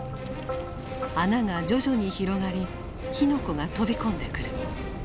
穴が徐々に広がり火の粉が飛び込んでくる。